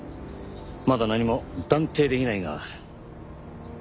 まだ何も断定できないが。